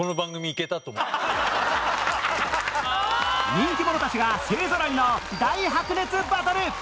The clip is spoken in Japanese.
人気者たちが勢ぞろいの大白熱バトル！